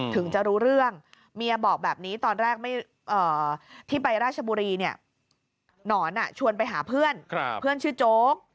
ถึงจะรู้เรื่องเมียบอกแบบนี้ตอนแรกที่ไปราชบุรีเนี่ยหนอนชวนไปหาเพื่อนเพื่อนชื่อโจ๊ก